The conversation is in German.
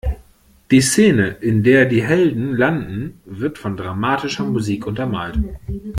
Die Szene, in der die Helden landen, wird von dramatischer Musik untermalt.